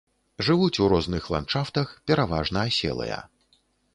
Жывуць у розных ландшафтах, пераважна аселыя.